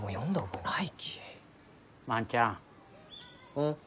うん？